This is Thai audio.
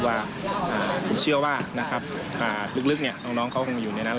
ว่าผมเชื่อว่าลึกน้องเขาคงอยู่ในนั้นแหละนะครับ